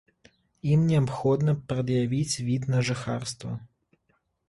Ім неабходна прад'явіць від на жыхарства.